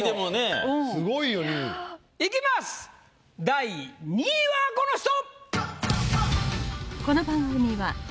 第２位はこの人！